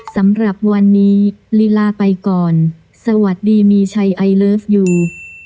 สำหรับวันนี้ลีลาไปก่อนสวัสดีมีชัยไอเลิฟยู